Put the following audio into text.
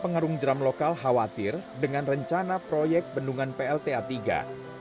pengarung jeram lokal khawatir dengan rencana proyek bendungan plta iii